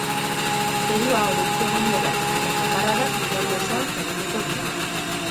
Zerua hodeitsu egongo da eta zaparradak lurralde osoan zabalduko dira.